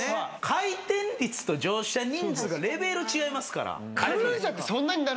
回転率と乗車人数がレベル違いますから。